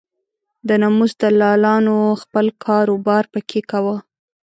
د ناموس دلالانو خپل کار و بار په کې کاوه.